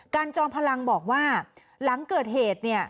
การจอมพลังบอกว่าหลังเกิดเหตุ